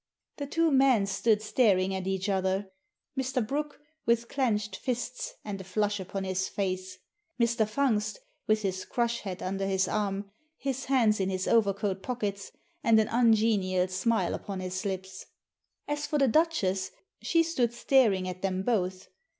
The two men stood staring at each other. Mr. Brooke with clenched fists and a flush upon his face. Mr. Fungst with his crush hat under his arm, his hands in his overcoat pockets, and an ungenial smile upon his lips. As for the Duchess, she stood staring at them both.